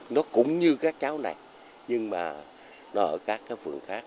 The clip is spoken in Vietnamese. nó cũng như các cháu này nhưng mà nó ở các cái vườn khác